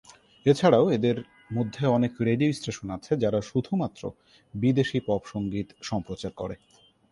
এছাড়াও এদের মধ্যে অনেক রেডিও স্টেশন আছে যারা শুধুমাত্র বিদেশী পপ সঙ্গীত সম্প্রচার করে।